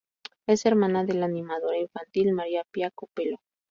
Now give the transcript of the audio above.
Es hermana de la animadora infantil María Pía Copello.